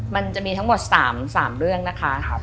มันจะมีทั้งหมด๓เรื่องนะคะ